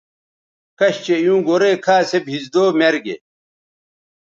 کش چہء ایوں گورئ کھا سے بھیزدو میر گے